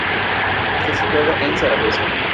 Está situada en Zaragoza.